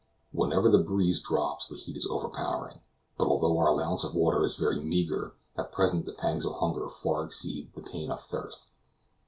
Whenever the breeze drops the heat is overpowering; but although our allowance of water is very meager, at present the pangs of hunger far exceed the pain of thirst.